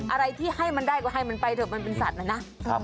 อะไรที่ให้มันได้ก็ให้มันไปเถอะมันเป็นสัตว์นะนะ